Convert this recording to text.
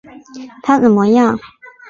他怎么样？